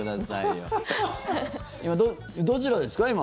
どちらですか、今。